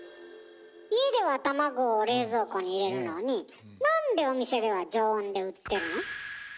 家では卵を冷蔵庫に入れるのになんでお店では常温で売ってるの？